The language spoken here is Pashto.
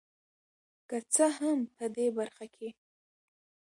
که څه هم په دې برخه کې